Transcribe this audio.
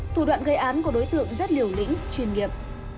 thủ đoạn gây án của đối tượng rất liều lĩnh chuyên nghiệp